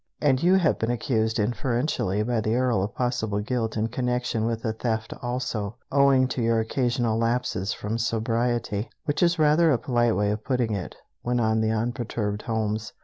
"And you have been accused inferentially by the Earl of possible guilt in connection with the theft also, owing to your occasional lapses from sobriety, which is rather a polite way of putting it," went on the unperturbed Holmes.